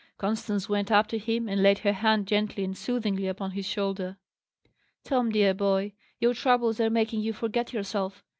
Constance went up to him and laid her hand gently and soothingly upon his shoulder. "Tom, dear boy, your troubles are making you forget yourself.